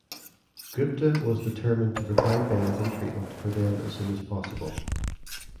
Gupta was determined to provide beds and treatment for them as soon as possible.